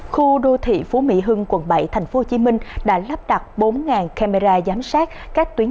khu đô thị phú mỹ hưng quận bảy thành phố hồ chí minh đã lắp đặt bốn camera giám sát các tuyến